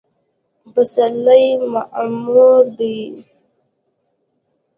پسرلی معمور دی